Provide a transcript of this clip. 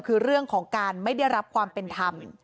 คือเรื่องของการไม่ได้รับความเป็นธรรม